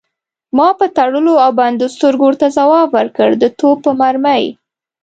ما په تړلو او بندو سترګو ورته ځواب ورکړ: د توپ په مرمۍ.